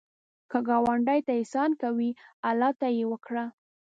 که ګاونډي ته احسان کوې، الله ته یې وکړه